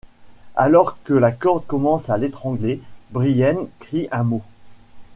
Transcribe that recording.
Alors que la corde commence à l'étrangler, Brienne crie un mot.